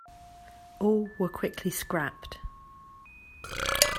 All were quickly scrapped.